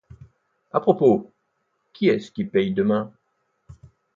A propos, qui est-ce qui paie demain?